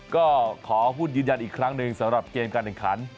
ก็ขอหุ้นยืนยันอีกครั้งหนึ่งสำหรับเกมการแข่งขัน